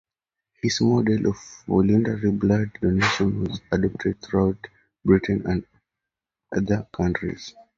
His model of voluntary blood donation was adopted throughout Britain and in other countries.